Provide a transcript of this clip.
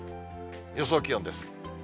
予想気温です。